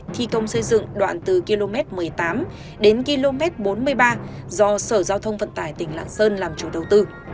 thi công xây dựng đoạn từ km một mươi tám đến km bốn mươi ba do sở giao thông vận tải tỉnh lạng sơn làm chủ đầu tư